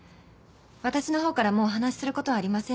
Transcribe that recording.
私のほうからもうお話しする事はありませんので。